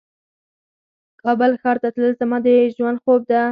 کابل ښار ته تلل زما د ژوند خوب ده